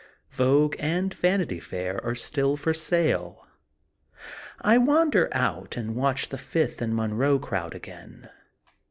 Vogue and Vanity Fair are still for sale. I wander out and watch the Fifth and Monroe crowd again.